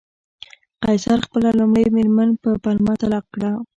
قیصر خپله لومړۍ مېرمن په پلمه طلاق کړه